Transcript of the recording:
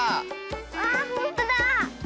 あほんとだ！